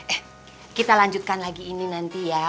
eh kita lanjutkan lagi ini nanti ya